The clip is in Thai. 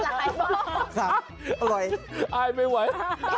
แพลปจะหายบ้างอร่อยอายไม่ไหว